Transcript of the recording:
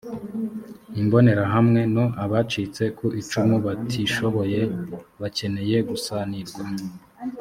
imbonerahamwe no abacitse ku icumu batishoboye bakeneye gusanirwa